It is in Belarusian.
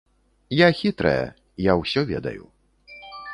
Я хітрая, я ўсё ведаю.